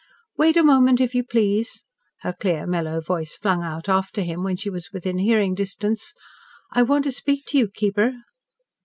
"Wait a moment, if you please," her clear, mellow voice flung out after him when she was within hearing distance. "I want to speak to you, keeper."